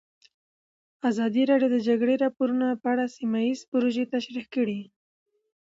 ازادي راډیو د د جګړې راپورونه په اړه سیمه ییزې پروژې تشریح کړې.